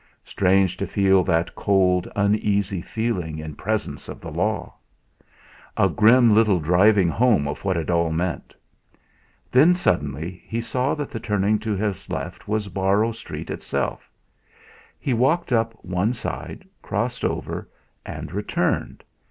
Strange to feel that cold, uneasy feeling in presence of the law! A grim little driving home of what it all meant! Then, suddenly, he saw that the turning to his left was Borrow Street itself. He walked up one side, crossed over, and returned.